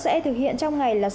sẽ thực hiện trong ngày là